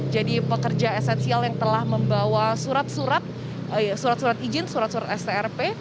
jadi pekerja esensial yang telah membawa surat surat surat surat izin surat surat strp